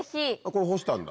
これ干したんだ。